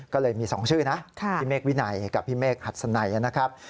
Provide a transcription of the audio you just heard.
ก็เลยมี๒ชื่อนะพี่เมฆวินัยกับพี่เมฆหัสนัยนะครับ